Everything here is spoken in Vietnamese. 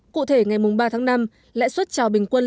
cụ thể ngày mùng ba tháng năm lãi xuất trào bình quân